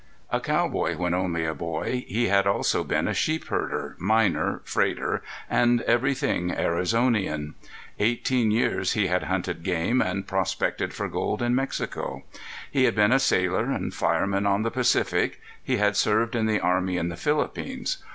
A cowboy when only a boy he had also been sheepherder, miner, freighter, and everything Arizonian. Eighteen years he had hunted game and prospected for gold in Mexico. He had been a sailor and fireman on the Pacific, he had served in the army in the Philippines.